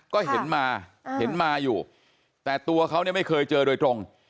ก็เห็นมาอยู่แต่ตัวเขาไม่เคยเจอโดยตรง